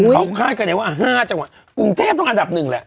เขาคาดกันได้ว่า๕จังหวัดกรุงเทพต้องอันดับหนึ่งแหละ